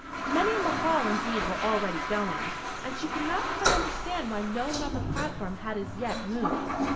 Many in the hall, indeed, were already going, and she could not quite understand why no one on the platform had as yet moved.